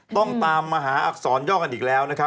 ต้องตามมหาอักษรย่อกันอีกแล้วนะครับ